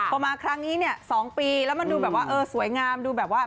ก็มาครั้งนี้เนี่ยสองปีแล้วดูแบบว่า